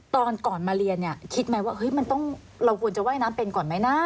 ตอนก่อนมาเรียนคิดไหมว่าเราควรจะว่ายน้ำเป็นก่อนไหมนะ